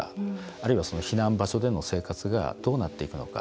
あるいは、その避難場所での生活がどうなっていくのか。